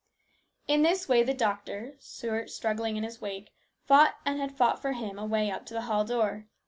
In this way the doctor, Stuart struggling in his wake, fought and had fought for him a way up to the hall door.